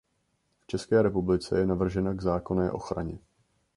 V České republice je navržena k zákonné ochraně.